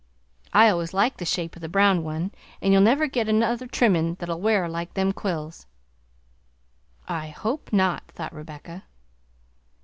I always liked the shape of the brown one, and you'll never get another trimmin' that'll wear like them quills." "I hope not!" thought Rebecca.